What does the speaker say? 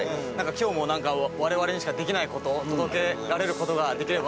今日も我々にしかできない事を届けられる事ができればなと。